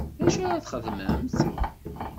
D acu ara txedmemt?